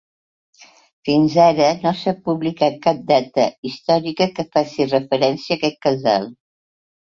Fins ara no s'ha publicat cap data històrica que faci referència a aquest casal.